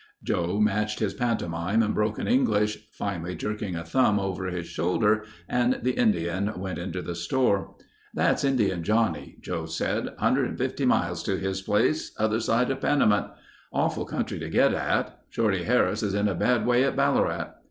Joe matched his pantomime and broken English, finally jerking a thumb over his shoulder and the Indian went into the store. "That's Indian Johnnie," Joe said: "Hundred and fifty miles to his place, other side of the Panamint. Awful country to get at. Shorty Harris is in a bad way at Ballarat."